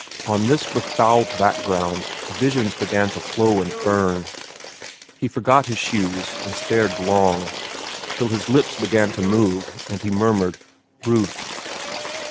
On this befouled background visions began to flow and burn. He forgot his shoes and stared long, till his lips began to move and he murmured, "Ruth."